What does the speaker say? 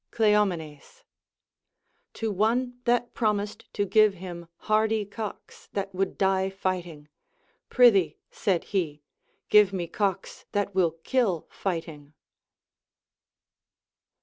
Cleomenes. To one that promised to give him hardy cocks, that would die fighting. Prithee, said he, give me cocks that will kill fighting.